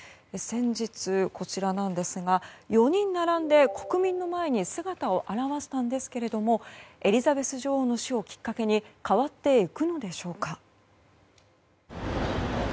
先日、４人並んで国民の前に姿を現したんですがエリザベス女王の死をきっかけに変わっていくのでしょうか。